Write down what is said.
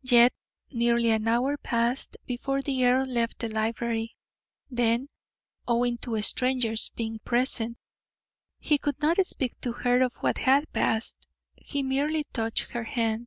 Yet, nearly an hour passed before the earl left the library; then, owing to strangers being present, he could not speak to her of what had passed. He merely touched her hand.